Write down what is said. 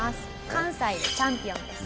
関西でチャンピオンです。